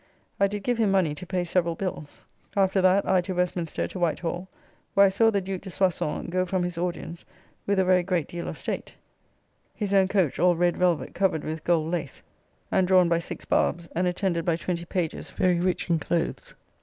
I did give him money to pay several bills. After that I to Westminster to White Hall, where I saw the Duke de Soissons go from his audience with a very great deal of state: his own coach all red velvet covered with gold lace, and drawn by six barbes, and attended by twenty pages very rich in clothes.